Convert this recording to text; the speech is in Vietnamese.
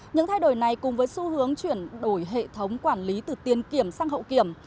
những thay đổi này cùng với xu hướng chuyển đổi hệ thống quản lý từ tiên kiểm sang hậu kiểm